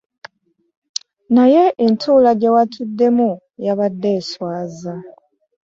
Naye entuula gye watuddemu yabadde eswaza.